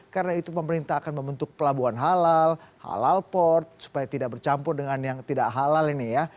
karena itu pemerintah akan membentuk pelabuhan halal halal port supaya tidak bercampur dengan yang tidak halal ini ya